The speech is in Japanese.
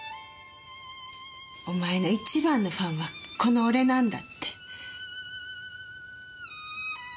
「お前の一番のファンはこの俺なんだ」って。